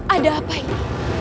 ada apa ini